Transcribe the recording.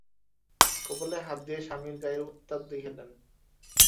কপালে হাত দিয়ে স্বামীর গায়ের উত্তাপ দেখলেন।